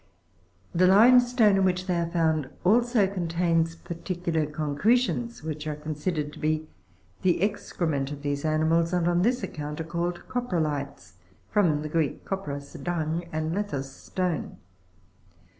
The limestone in which they are found also contains particular concretions (fig. 51) which are considered to be the excrement of these animals, and, on this account, called coprolites, (from the Greek, kopros, dung, and lithos, stone).